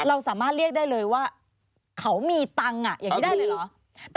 เราสามารถเรียกได้เลยว่าเขามีตังค์อย่างนี้ได้เลยเหรอ